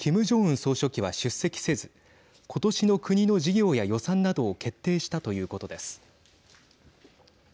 総書記は出席せず今年の国の事業や予算などを決定したということです。